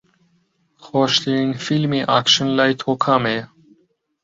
خۆشترین فیلمی ئاکشن لای تۆ کامەیە؟